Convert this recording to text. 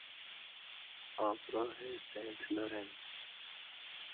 آبراه سنت لارنس